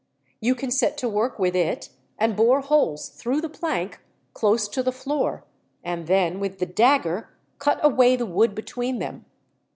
You can set to work with it, and bore holes through the plank close to the floor; and then, with the dagger, cut away the wood between them.